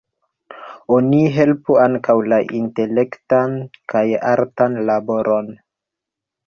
Oni helpu ankaŭ la intelektan kaj artan laboron.